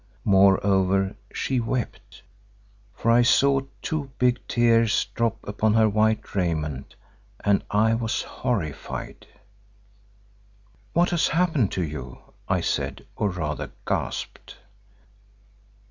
Moreover she wept, for I saw two big tears drop upon her white raiment and I was horrified. "What has happened to you?" I said, or rather gasped.